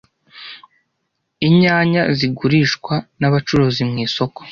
Inyanya zigurishwa na bacuruzi mwisoko